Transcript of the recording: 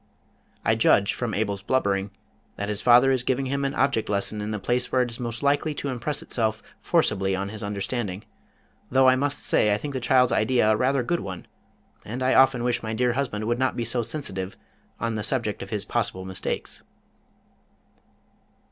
I judge from Abel's blubbering that his father is giving him an object lesson in the place where it is most likely to impress itself forcibly on his understanding, though I must say I think the child's idea a rather good one, and I often wish my dear husband would not be so sensitive on the subject of his possible mistakes.